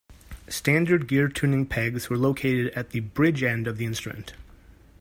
Standard geared tuning pegs were located at the bridge-end of the instrument.